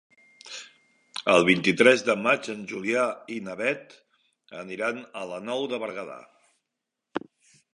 El vint-i-tres de maig en Julià i na Beth aniran a la Nou de Berguedà.